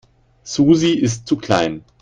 Susi ist zu klein.